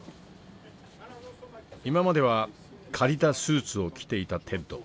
今までは借りたスーツを着ていたテッド。